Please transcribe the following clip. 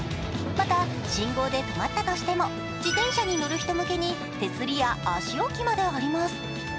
また信号で止まったとしても自転車に乗る人向けに手すりや足置きまであります。